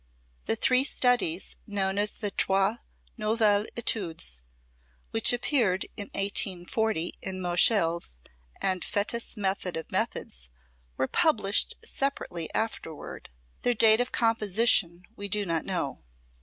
The three studies known as Trois Nouvelles Etudes, which appeared in 1840 in Moscheles and Fetis Method of Methods were published separately afterward. Their date of composition we do not know.